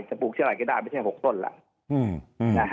จะปลูกที่ไรก็ได้ไม่ใช่๖ต้นล่ะนะฮะ